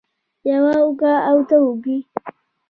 يوه اوږه او دوه اوږې